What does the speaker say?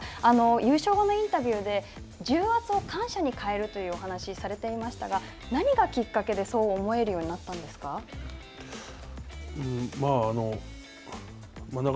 優勝後のインタビューで重圧を感謝に変えるというお話をされていましたが何がきっかけでそう思えるようになったんですか。